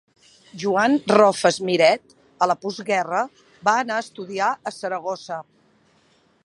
Joan Rofes Miret, a la postguerra, va anar a estudiar a Saragossa.